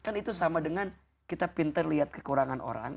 kan itu sama dengan kita pintar lihat kekurangan orang